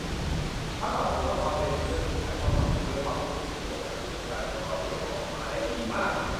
สำหรับผมละครเวทีเรื่องนี้ถ่ายทอดคำพูด และความรู้สึกที่เกี่ยวกับสังคมการเมืองตอนนี้ออกมาได้ดีมาก